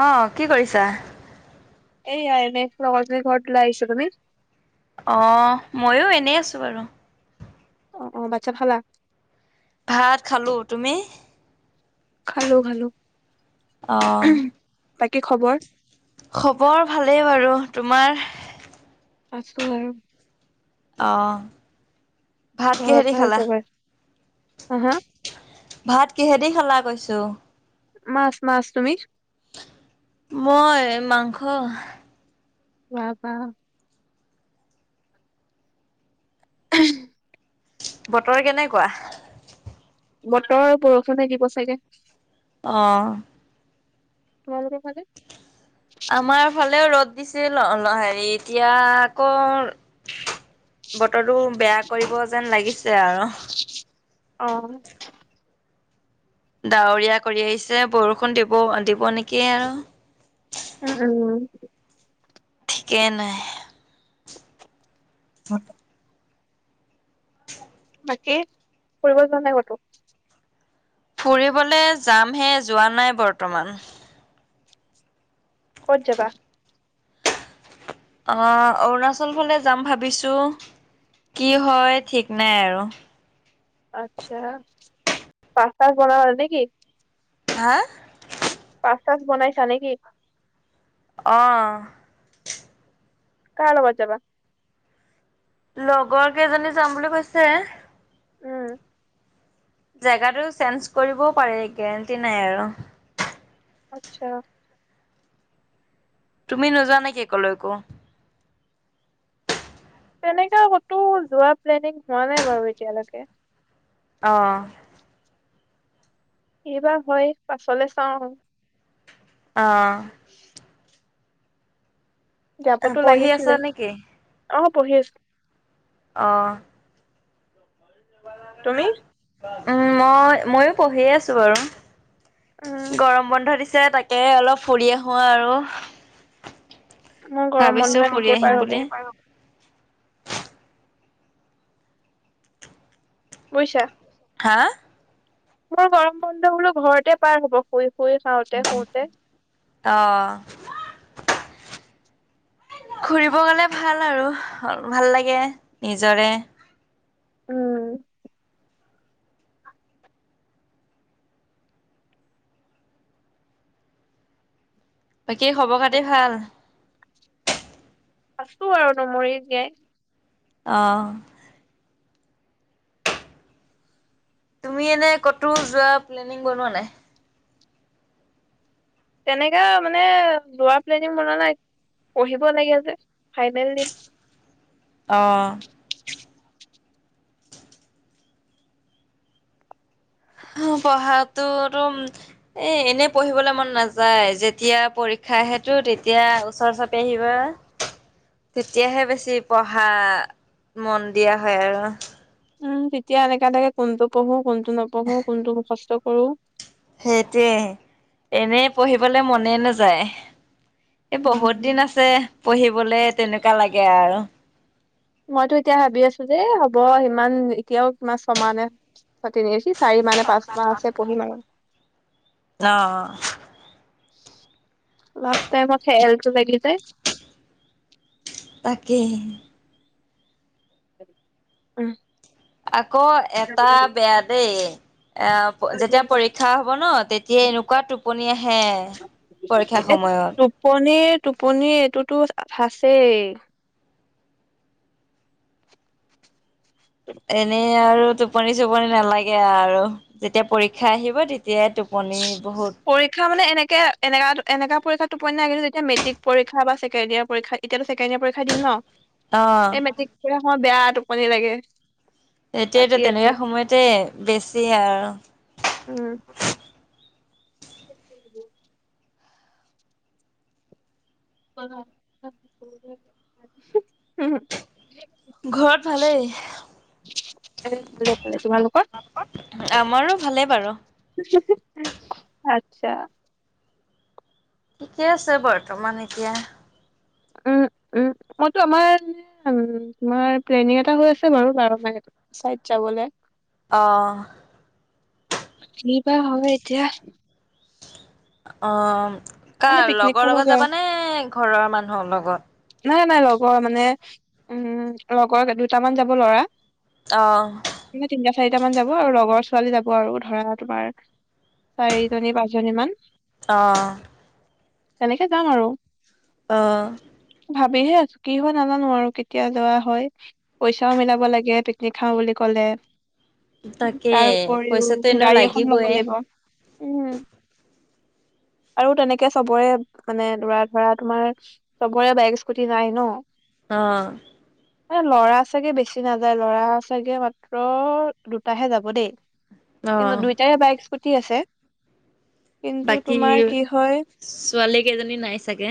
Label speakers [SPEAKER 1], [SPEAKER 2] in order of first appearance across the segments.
[SPEAKER 1] অ', কি কৰিছা?
[SPEAKER 2] এইয়া এনে লগৰজনী ঘৰত ওলাই আহিছো, তুমি?
[SPEAKER 1] অ', মইও এনেই আছো বাৰু।
[SPEAKER 2] অ', অ', ভাত-চাত খালা?
[SPEAKER 1] ভাত খালো, তুমি?
[SPEAKER 2] খালো খালো,
[SPEAKER 1] অ',
[SPEAKER 2] বাকী খবৰ?
[SPEAKER 1] খবৰ ভালেই বাৰু, তোমাৰ?
[SPEAKER 2] আছো আৰু।
[SPEAKER 1] অ', ভাত
[SPEAKER 2] ঘৰত
[SPEAKER 1] কিহেদি
[SPEAKER 2] ভাল
[SPEAKER 1] খালা?
[SPEAKER 2] চবৰে? হা হা
[SPEAKER 1] ভাত কিহেদি খালা কৈছো।
[SPEAKER 2] মাছ মাছ, তুমি?
[SPEAKER 1] মই মাংস।
[SPEAKER 2] বাহ-বাহ। [unintelligible]
[SPEAKER 1] বতৰ কেনেকুৱা?
[SPEAKER 2] বতৰ বৰষুণে দিব চাগে।
[SPEAKER 1] অ'।
[SPEAKER 2] তোমালোকৰ ফালে?
[SPEAKER 1] আমাৰ ফালেও ৰ'দ দিছিল অল-হেৰি, এতিয়া আকৌ
[SPEAKER 2] [inaudible]
[SPEAKER 1] বতৰটো বেয়া কৰিব যেন লাগিছে আৰু।
[SPEAKER 2] অ'।
[SPEAKER 1] ডাৱৰীয়া কৰি আহিছে বৰষুণ দিব, দিব নেকি আৰু।
[SPEAKER 2] উম, উম।
[SPEAKER 1] কেনে?
[SPEAKER 2] [unintelligible] বাকী ফুৰিব যোৱা নাই ক'তো?
[SPEAKER 1] ফুৰিবলে যামহে যোৱা নাই বৰ্তমান।
[SPEAKER 2] ক'ত যাবা?
[SPEAKER 1] অ', অৰুণাচল ফালে যাম ভাবিছো, কি হয় ঠিক নাই আৰু।
[SPEAKER 2] আচ্ছা, পাচ-তাচ বনালা নে কি?
[SPEAKER 1] হা?
[SPEAKER 2] পাচ-চাচ বনাইছা নে কি?
[SPEAKER 1] অ'।
[SPEAKER 2] কাৰ লগত যাবা?
[SPEAKER 1] লগৰ কেইজনী যাম বুলি কৈছে।
[SPEAKER 2] উম।
[SPEAKER 1] জেগাটো চেঞ্জ কৰিবও পাৰে গেৰেণ্টি নাই আৰু।
[SPEAKER 2] আৎচ্ছা।
[SPEAKER 1] তুমি নোযোৱা নেকি কলৈকো?
[SPEAKER 2] তেনেকা কতো যোৱা প্লেনিং হোৱা নাই বাৰু এতিয়ালৈকে।
[SPEAKER 1] অঁ'
[SPEAKER 2] কিবা হয় পাছলে চাওঁ।
[SPEAKER 1] অঁ'
[SPEAKER 2] যাবতো
[SPEAKER 1] পঢ়ি আছা
[SPEAKER 2] লাগিছিলেই।
[SPEAKER 1] নেকি?
[SPEAKER 2] অঁ' পঢ়ি আছো।
[SPEAKER 1] অঁ'
[SPEAKER 2] তুমি?
[SPEAKER 1] উম' মই মইও পঢ়িয়ে আছো বাৰু,
[SPEAKER 2] উম
[SPEAKER 1] গৰম বন্ধ দিছে তাক- কে অলপ ফুৰি আহোঁ আৰু।
[SPEAKER 2] মোৰ গৰম
[SPEAKER 1] ভাবিছো
[SPEAKER 2] বন্ধ
[SPEAKER 1] ফুৰি
[SPEAKER 2] এনেকেই
[SPEAKER 1] আহিম
[SPEAKER 2] পাৰ হ'ব।
[SPEAKER 1] বুলি
[SPEAKER 2] বুইছা।
[SPEAKER 1] হাঁ'
[SPEAKER 2] মোৰ গৰম বন্ধ বোলো ঘৰতে পাৰ হ'ব শুই শুই খাওঁতে শুওঁতে।
[SPEAKER 1] অঁ' ফুৰিব গলে ভাল আৰু, ভাল লাগে নিজৰে।
[SPEAKER 2] উম'
[SPEAKER 1] বাকী খবৰ খাতি ভাল?
[SPEAKER 2] আছো আৰু নমৰি জীয়াই।
[SPEAKER 1] অঁ' তুমি এনেই ক'তো যোৱা প্লেনিং বনোৱা নাই?
[SPEAKER 2] তেনেকে মানে যোৱা প্লেনিং বনোৱা নাই, পঢ়িব লাগে যে ফাইনেল দিম।
[SPEAKER 1] অঁ' হুম পঢ়াটো এদম- এই এনেই পঢ়িবলে মন নাযায়, যেতিয়া পৰীক্ষা আহেটো তেতিয়া ওচৰ চাপি আহিব।
[SPEAKER 2] [inaudible]
[SPEAKER 1] তেতিয়াহে বেছি পঢ়া মন দিয়া হয় আৰু।
[SPEAKER 2] উম, তেতিয়া এনেকা লাগে কোনটো পঢ়ো কোনটো নপঢ়ো কোনটো মুখস্থ- কৰো
[SPEAKER 1] সেইটোৱেহে, এনেই পঢ়িবলে মনে নাযায়। এই
[SPEAKER 2] উম
[SPEAKER 1] বহুত দিন আছে পঢ়িবলে তেনেকুৱা লাগে আৰু।
[SPEAKER 2] মইতো এতিয়া ভাবি আছো দে হ'ব ইমান এতিয়াও কিমান ছমাহ নে- চাৰি মাহ নে পাঁচ মাহ আছে পঢ়িম আৰু।
[SPEAKER 1] অ
[SPEAKER 2] লাষ্ট টাইমত ফেয়াৰিটো লাগে যে।
[SPEAKER 1] তাকেহে।
[SPEAKER 2] উম'
[SPEAKER 1] আকৌ, এটা বেয়া দেই। এ- অ যেতিয়া পৰীক্ষা হ'ব ন, তেতিয়া এনেকুৱা টোপনি আহে পৰীক্ষা সময়ত।
[SPEAKER 2] টোপনিৰ টোপনি এইটোতো আছেই।
[SPEAKER 1] এনেই আৰু টোপনি চোপনি নালাগে আৰু, যেতিয়া পৰীক্ষা আহিব তেত- তিয়াই টোপনি বহুত।
[SPEAKER 2] পৰিক্ষা মানে এনেকে এনেকা পৰীক্ষাত টোপনি নাহে, কিন্তু যেতিয়া মেট্ৰিক পৰীক্ষা বা চেকেণ্ডিয়েৰ পৰীক্ষা- এতিয়াতো ছেকেণ্ড ইয়েৰ পৰীক্ষা দিম ন,
[SPEAKER 1] অ
[SPEAKER 2] এই মেট্ৰিক পৰীক্ষা বেয়া টোপনি লাগে।
[SPEAKER 1] এতিয়াতো
[SPEAKER 2] পাতিয়ে দিলে
[SPEAKER 1] তেনেকুৱা সময়তে বেছি আৰু।
[SPEAKER 2] উম' [inaudible]
[SPEAKER 1] ঘৰত ভালেই?
[SPEAKER 2] [inaudible]
[SPEAKER 1] আমাৰো ভালে বাৰু?
[SPEAKER 2] আচ্ছা!
[SPEAKER 1] ঠিকে আছে বৰ্তমান এতিয়া?
[SPEAKER 2] উম, উম! মইতো আমাৰ উ তোমাৰ প্লেনিং এটা হৈ আছে বাৰু! [unintelligible]
[SPEAKER 1] অ'
[SPEAKER 2] [inaudible]
[SPEAKER 1] অ',
[SPEAKER 2] মানে
[SPEAKER 1] কাৰ
[SPEAKER 2] পিকনিক
[SPEAKER 1] লগৰ
[SPEAKER 2] খাব
[SPEAKER 1] লগত
[SPEAKER 2] যোৱা
[SPEAKER 1] যাবানে? ঘৰৰ মানুহৰ লগত!
[SPEAKER 2] নাই নাই লগৰ মানে উম লগৰ দুটামান যাব ল'ৰা!
[SPEAKER 1] অ'
[SPEAKER 2] তিনিটা চাৰিটা মান যাব আৰু লগৰ ছোৱালী যাব আৰু ধৰা তোমাৰ? চাৰিজনী পাঁচজনী মান।
[SPEAKER 1] অ'
[SPEAKER 2] তেনেকে যাম আৰু।
[SPEAKER 1] অ'
[SPEAKER 2] ভাবিহে আছো! কি হয় নাজানো আৰু কেতিয়া যোৱা হয়? পইচাও মিলাব লাগে! পিকনিক খাওঁ বুলি ক'লে।
[SPEAKER 1] তাকে
[SPEAKER 2] তাৰ উপৰিও
[SPEAKER 1] পইচাটো এনেও
[SPEAKER 2] গাড়ী এখন
[SPEAKER 1] লাগিবই
[SPEAKER 2] ল'ব লাগিব। উম', আৰু তেনেকৈ চবৰে, মানে, লৰা-ধৰা তোমাৰ চবৰে বাইক আছে স্কুটি নাই ন,
[SPEAKER 1] অ',
[SPEAKER 2] এ, ল'ৰা চাগে বেছি নাযায়। ল'ৰা চাগে মাত্ৰ দুটাহে যাব দেই।
[SPEAKER 1] অ
[SPEAKER 2] কিন্তু দুইটাই বাইক, স্কুটি আছে। কিন্তু
[SPEAKER 1] বাকী,
[SPEAKER 2] তোমাৰ কি হয়
[SPEAKER 1] ছোৱালী কেইজনী নাই চাগে।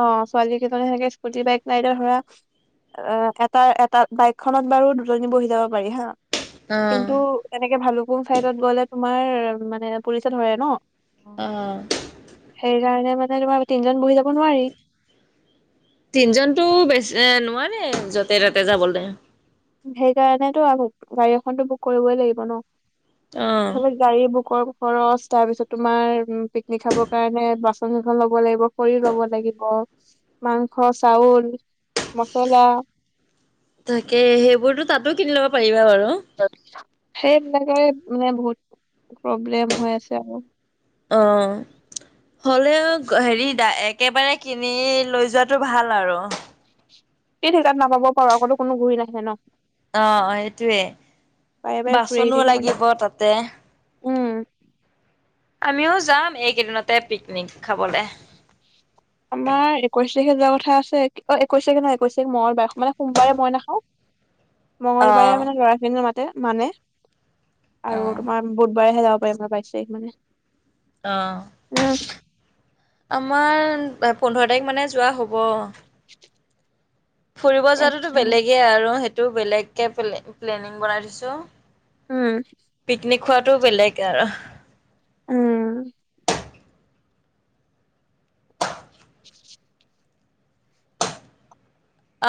[SPEAKER 2] অ', ছোৱালী কেইজননে সনেকে স্কুটি বাইক নাই ধৰা। অ', এটা এটা বাইকখনত বাৰু দুজনী বহি যাব পাৰি। হাঁ।
[SPEAKER 1] অ
[SPEAKER 2] কিন্তু এনেকে ভালুকুং চাইডত গ'লে, তোমাৰ মানে, পুলিচ ধৰে ন?
[SPEAKER 1] অ',
[SPEAKER 2] সেই কাৰণে মানে তোমাৰ তিনিজন বহি যাব নোৱাৰি।
[SPEAKER 1] তিনজনতো বেছ এ নোৱাৰে নে, য'তে ত'তে যাবলৈ।
[SPEAKER 2] সেইকাৰণেতো গাড়ী এখনতো বুক কৰিবই লাগিব ন।
[SPEAKER 1] অ
[SPEAKER 2] গাড়ী বুকৰ খৰচ, তাৰ পিছত তোমাৰ উ, পিকনিক খাবৰ কাৰণে বাচন-চচন ল'ব লাগিব। খৰি ল'ব লাগিব, মাংস, চাউল, মছলা।
[SPEAKER 1] তাকে সেইবোৰতো তাতো কিনি ল'ব পাৰিবা বাৰু।
[SPEAKER 2] সেইবিলাকৰে মানে বহুত প্ৰব্লেম হৈ আছে আৰু।
[SPEAKER 1] অ', হ'লেও হেৰি, একেবাৰে কিনি লৈ যোৱাটো ভাল আৰু।
[SPEAKER 2] সেই ঠাইত নাপাব পাৰো আকৌ, কোনো ঘূৰি নাহে ন?
[SPEAKER 1] অ', সেইটোৱে
[SPEAKER 2] বাৰে বাৰে ঘূৰি আহি
[SPEAKER 1] বাচনো
[SPEAKER 2] থাকিব
[SPEAKER 1] লাগিব
[SPEAKER 2] নেকি
[SPEAKER 1] তাতে।
[SPEAKER 2] উম',
[SPEAKER 1] আমিও যাম এইকেইদিনতে পিকনিক খাবলে।
[SPEAKER 2] আমাৰ একৈশ তাৰিখে যোৱা কথা আছে। অ', একৈশ তাৰিখ নহয়, একৈ তাৰিখ মঙলবাৰ, মানে সোমবাৰে মই নাখাওঁ।
[SPEAKER 1] অ
[SPEAKER 2] মঙলবাৰে মানে ল'ৰাখিনি মাতে মানে, আৰু তোমাৰ বুধবাৰেহে যাব পাৰিম আৰু বাইছ তাৰিখ মানে।
[SPEAKER 1] অ',
[SPEAKER 2] উম
[SPEAKER 1] আমাৰ পোন্ধৰ তাৰিখ মানে যোৱা হ'ব। ফুৰিব যোৱাটোতো
[SPEAKER 2] আচ্ছা
[SPEAKER 1] বেলেগেই আৰু, সেইটো বেলেগকৈ প্লেনিং বনাই থৈছোঁ।
[SPEAKER 2] উম।
[SPEAKER 1] পিকনিক খোৱাটো বেলেগ আৰু ইয়াত
[SPEAKER 2] উম'।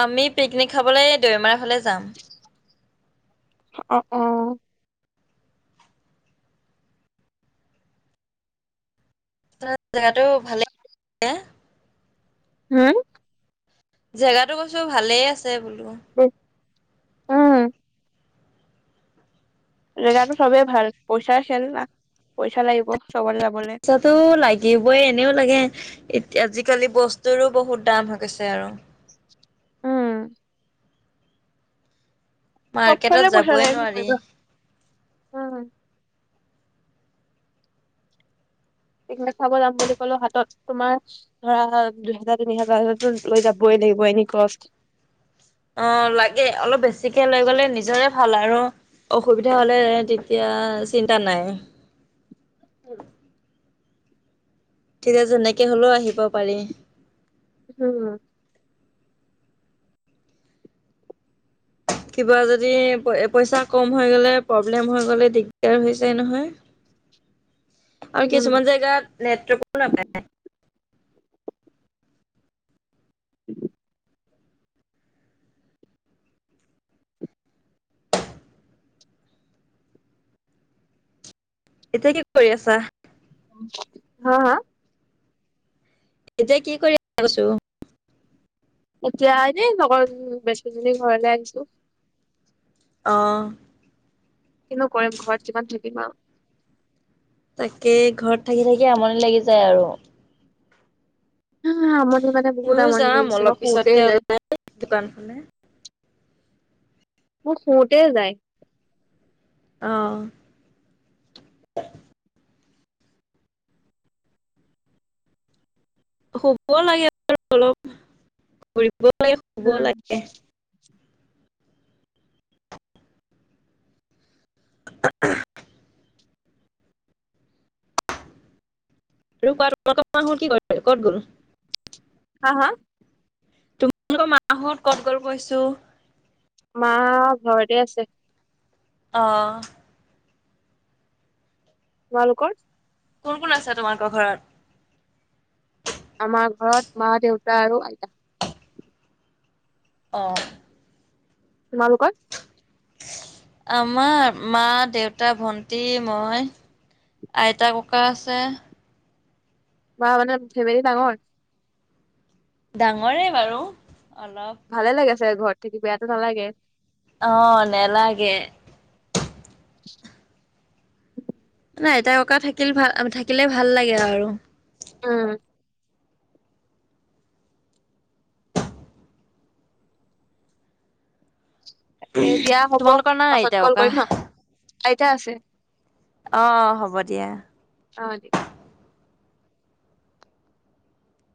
[SPEAKER 1] আমি পিকনিক খাবলৈ দৈমাৰ ফালে যাম।
[SPEAKER 2] অহ।
[SPEAKER 1] [unintelligible] জেগাটো ভালেই।
[SPEAKER 2] হম?
[SPEAKER 1] জেগাটো কৈছো, ভালেই আছে বোলো।
[SPEAKER 2] উহ উম। জেগাটো চবে ভাল। পইচা খেল না, পইচা লাগিব চবতে যাবলে।
[SPEAKER 1] ততো লাগিবই, এনেও লাগে। আজিকালি বস্তুৰো বহুত দাম হৈ গৈছে আৰু।
[SPEAKER 2] উম।
[SPEAKER 1] মাৰ্কেটত
[SPEAKER 2] সবফালেই পইচা
[SPEAKER 1] যাবই
[SPEAKER 2] লাগে
[SPEAKER 1] নোৱাৰি
[SPEAKER 2] ঘুৰিব। উম। পিকনিক খাব যাম বুলি ক'লেওঁ হাতত তোমাৰ ধৰা দুহেজাৰ-তিনিহেজাৰটো লৈ যাবই লাগিব, এনে কষ্ট।
[SPEAKER 1] অ', লাগে। অলপ বেছিকৈ লৈ গ'লে নিজৰে ভাল আৰু। অসুবিধা হ'লে তেতিয়া চিন্তা নাই।
[SPEAKER 2] উ।
[SPEAKER 1] ঠিৰাজ এনেকৈ হ'লেও আহিব পাৰি।
[SPEAKER 2] উম'।
[SPEAKER 1] কিবা যদি পইচা কম হৈ গ'লে, প্ৰব্লেম হৈ গ'লে, দিগদাৰ হৈ যায় নহয়।
[SPEAKER 2] [inaudible]
[SPEAKER 1] আৰু
[SPEAKER 2] উম,
[SPEAKER 1] কিছুমান জেগাত নেটৱৰ্ক ও নাপায়।
[SPEAKER 2] [inaudible]
[SPEAKER 1] এতিয়া কি কৰি আছা?
[SPEAKER 2] হা, হা?
[SPEAKER 1] এতিয়া কি কৰি [unintelligible] কচু।
[SPEAKER 2] এতিয়া এনেই লগৰ বেষ্টপেজনীৰ ঘৰলৈ আহিছিলোঁ।
[SPEAKER 1] অ'।
[SPEAKER 2] কিনো কৰিম, ঘৰত কিমান থাকিম আউ।
[SPEAKER 1] তাকে, ঘৰত থাকি থাকি আমনি লাগি যায় আৰু।
[SPEAKER 2] আ, আমনি মানে বহুত
[SPEAKER 1] ময়ো
[SPEAKER 2] আমনি
[SPEAKER 1] যাম
[SPEAKER 2] লাগিছে,
[SPEAKER 1] অলপ
[SPEAKER 2] মই শুওতে
[SPEAKER 1] পিছতকে
[SPEAKER 2] যায়।
[SPEAKER 1] ওলাই দোকান
[SPEAKER 2] মো শুওঁতে যায়।
[SPEAKER 1] অ'। শুব লাগে আৰু অলপ। ফুৰিবও লাগে, শুবও
[SPEAKER 2] উম,
[SPEAKER 1] লাগে।
[SPEAKER 2] [inaudible]
[SPEAKER 1] [unintelligible] কি কয়- ক'ত গ'ল?
[SPEAKER 2] হা? হা?
[SPEAKER 1] তোমালোকৰ মাহত ক'ত গ'ল কৈছো?
[SPEAKER 2] মা ঘৰতে আছে।
[SPEAKER 1] অঁ,
[SPEAKER 2] তোমালোকৰ,
[SPEAKER 1] কোন কোন আছে তোমালোকৰ ঘৰত
[SPEAKER 2] আমাৰ ঘৰত মা-দেউতা আৰু আইতা।
[SPEAKER 1] অঁ,
[SPEAKER 2] তোমালোকৰ,
[SPEAKER 1] আমাৰ মা-দেউতা, ভন্টি, মই আইতা, ককা আছে।
[SPEAKER 2] মা মানে ফেমিলি ডাঙৰ।
[SPEAKER 1] ডাঙৰে বাৰু অলপ
[SPEAKER 2] ভালে লাগে চাগে ঘৰত থাকি বেয়াটো নালাগে।
[SPEAKER 1] অ নেলাগে। নাই আইতা ককা থাকিলে ভাল থাকিলে ভাল লাগে আৰু
[SPEAKER 2] উম। তাকে দিয়া হ'ব
[SPEAKER 1] তোমালোকৰ নাই
[SPEAKER 2] পাছত
[SPEAKER 1] আইতা
[SPEAKER 2] কল
[SPEAKER 1] ককা?
[SPEAKER 2] কৰিম ন আইতা আছে।
[SPEAKER 1] অ অ হ'ব দিয়া।
[SPEAKER 2] হ দিয়া।